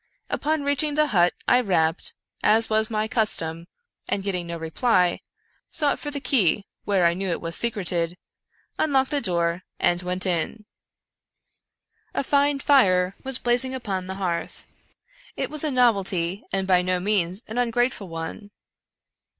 Upon reaching the hut I rapped, as was my custom, and getting no reply, sought for the key where I knew it was secreted, unlocked the door, and went in. A fine fire was blazing upon the hearth. It was a novelty, and by no means an ungrateful one.